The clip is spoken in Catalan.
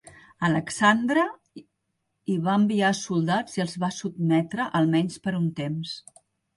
Alexandre hi va enviar soldats i els va sotmetre almenys per un temps.